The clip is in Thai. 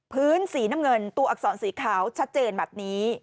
พื้นสีน้ำเงินตัวอักษรสีขาวชัดเจนแบบนี้